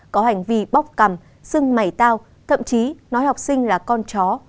có hành vi bóc cằm sưng mẩy tao thậm chí nói học sinh là con chó